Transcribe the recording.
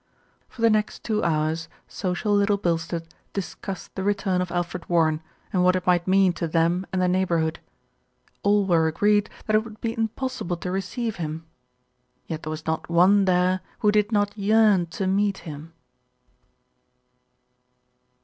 For the next two hours social Little Bilstead dis cussed the return of Alfred Warren and what it might mean to them and the neighbourhood. All were agreed that it would be impossible to receive him; yet there was not one there who did not yearn to meet him.